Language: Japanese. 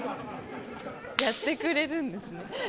やってくれるんですね。